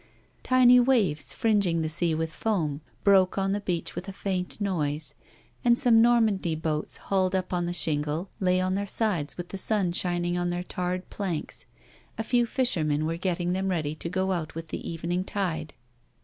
Tiny waves fringing the sea with foam, broke on the beach with a faint noise, and some Normandy boats, hauled up on the shingle, lay on their sides with the sun shining on their tai red planks ; a few fishermen were getting them ready to go out with the evening tide. A WOMAN'S LIFE.